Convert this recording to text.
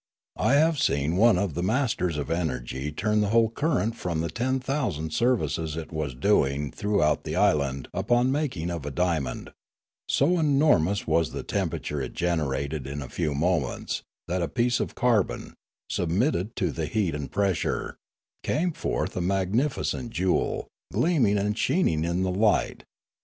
I have seen one of the masters of energy turn the whole current from the ten thousand services it was doing throughout the island upon the making of a diamond; so enormous was the temperature it generated in a few moments that a piece of carbon, submitted to the heat and pressure, came forth a magnificent jewel, gleaming and sheening in the light.